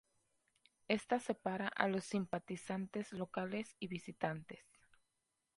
Esta separa a los simpatizantes locales y visitantes.